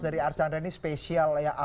dari archandra ini spesial ya